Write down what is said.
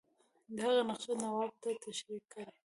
د هغه نقشه نواب ته تشریح کړي.